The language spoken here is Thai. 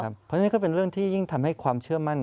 เพราะฉะนั้นก็เป็นเรื่องที่ยิ่งทำให้ความเชื่อมั่น